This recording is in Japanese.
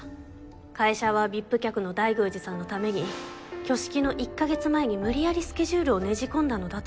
会社はＶＩＰ客の大宮司さんのために挙式の１か月前に無理やりスケジュールをねじ込んだのだと。